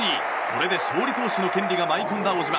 これで勝利投手の権利が舞い込んだ小島。